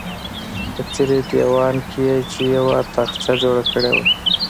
په څیرې دیوال کې یې چې یوه تاخچه جوړه کړې وه.